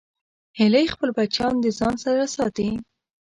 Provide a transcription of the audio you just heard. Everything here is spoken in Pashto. هیلۍ خپل بچیان د ځان سره ساتي